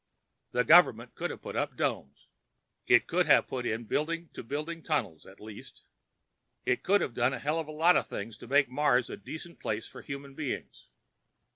The government could have put up domes; it could have put in building to building tunnels, at least. It could have done a hell of a lot of things to make Mars a decent place for human beings.